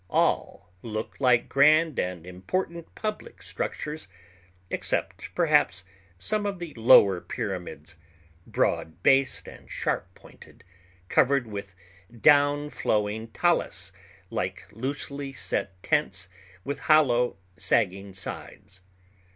All look like grand and important public structures, except perhaps some of the lower pyramids, broad based and sharp pointed, covered with down flowing talus like loosely set tents with hollow, sagging sides.